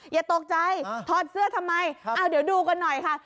อย่าตกใจถอดเสื้อทำไมเดี๋ยวดูกันหน่อยค่ะ